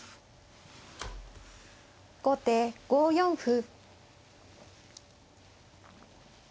後手５四歩。